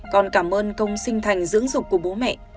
còn cảm ơn công sinh thành dưỡng dục của bố mẹ